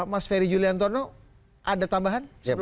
mas ferry juliantono ada tambahan